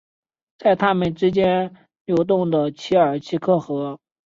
在他们之间流动的奇尔奇克河。